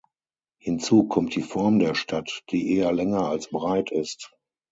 Hinzu kommt die Form der Stadt, die eher länger als breit ist.